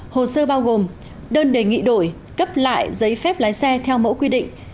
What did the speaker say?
hồ sơ bao gồm đơn đề nghị đổi cấp lại giấy phép lái xe theo mẫu quy định